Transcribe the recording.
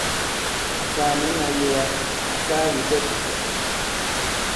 Àfaa mɛ̌ nɔ̄k lega, àfaa kìpɛ pùpɛ̀.